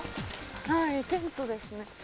はいテントですね。